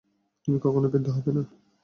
তুমি কখনই বৃদ্ধ হবে না।